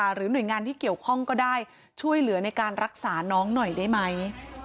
หรือหน่วยงานที่เกี่ยวข้องก็ได้ช่วยเหลือในการรักษาน้องหน่อยได้ไหม